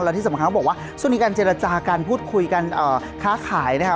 และที่สำคัญเขาบอกว่าช่วงนี้การเจรจาการพูดคุยกันค้าขายนะครับ